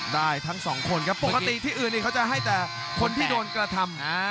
ได้ทั้งสองคนครับปกติที่อื่นเขาจะให้แต่คนที่โดนกระทำ